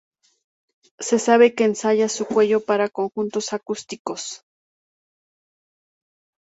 Se sabe que ensaya su cello para conjuntos acústicos.